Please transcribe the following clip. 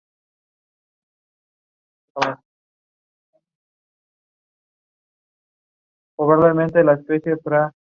He previously played for the Wigan Warriors in the Super League.